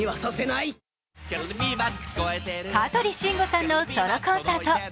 香取慎吾さんのソロコンサート